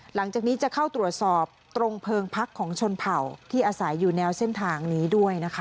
หลังจากนี้จะเข้าตรวจสอบตรงเพลิงพักของชนเผ่าที่อาศัยอยู่แนวเส้นทางนี้ด้วยนะคะ